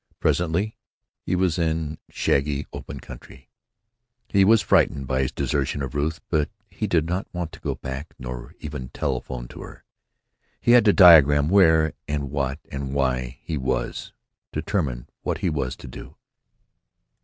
Presently he was in shaggy, open country. He was frightened by his desertion of Ruth, but he did not want to go back, nor even telephone to her. He had to diagram where and what and why he was; determine what he was to do.